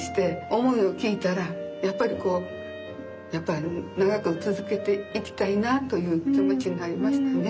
思いを聞いたらやっぱりこう長く続けていきたいなという気持ちになりましたね。